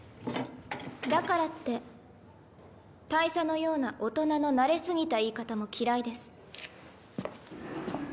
だからって大佐のような大人の慣れ過ぎた言い方も嫌いです。